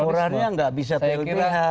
laporannya nggak bisa terubrah